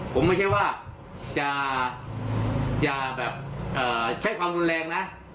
ผมไม่ใช่ว่าจะแบบใช้ความรุนแรงนะ